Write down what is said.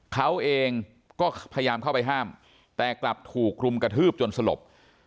เขาเองก็พยายามเข้าไปห้ามแต่กลับถูกรุมกระทืบจนสลบ